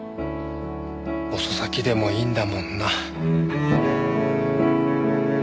遅咲きでもいいんだもんな。